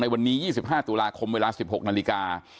วันนี้๒๕ตุลาคมเวลา๑๖นาฬิกา